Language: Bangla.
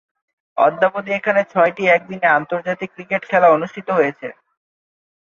অদ্যাবধি এখানে ছয়টি একদিনের আন্তর্জাতিক ক্রিকেট খেলা অনুষ্ঠিত হয়েছে।